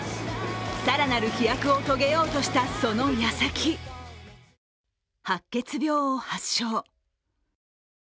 更なる飛躍を遂げようとしたその矢先、白血病を発症。